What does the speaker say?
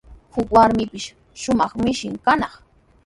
Huk warmipashi shumaq mishin kanaq.